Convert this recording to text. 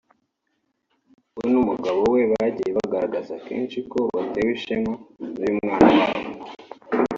we n’umugabo we bagiye bagaragaza kenshi ko batewe ishema n’uyu mwana wabo